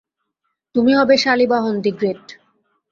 তুমি হবে শালীবাহন দি গ্রেট।